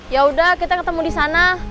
yaudah kita ketemu di sana